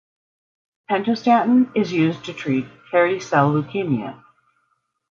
Pentostatin is used to treat hairy cell leukemia.